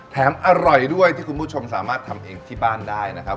อร่อยด้วยที่คุณผู้ชมสามารถทำเองที่บ้านได้นะครับ